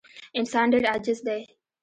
انسان ډېر عاجز دی.